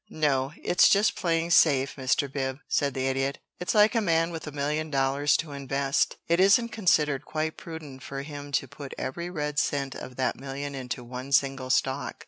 "No, it's just playing safe, Mr. Bib," said the Idiot. "It's like a man with a million dollars to invest. It isn't considered quite prudent for him to put every red cent of that million into one single stock.